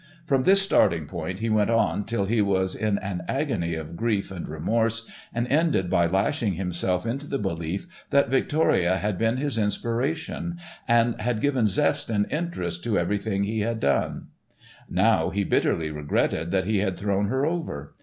From this starting point he went on till he was in an agony of grief and remorse and ended by lashing himself into the belief that Victoria had been his inspiration and had given zest and interest to every thing he had done. Now he bitterly regretted that he had thrown her over.